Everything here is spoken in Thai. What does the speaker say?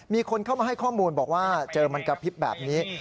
มีคนเข้ามาให้ข้อมูลบอกว่าเจอมันกระพริบแบบนี้